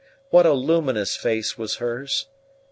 What a luminous face was hers!